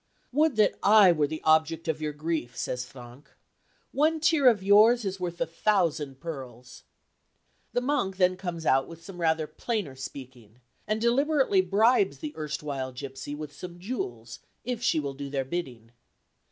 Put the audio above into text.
"Would that I were the object of your grief," says Frank. "One tear of yours is worth a thousand pearls." The monk then comes out with some rather plainer speaking, and deliberately bribes the erstwhile gipsy with some jewels if she will do their bidding.